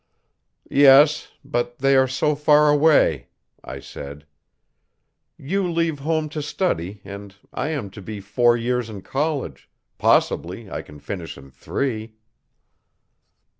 'Yes, but they are so far away,' I said, 'you leave home to study and I am to be four years in college possibly I can finish in three.'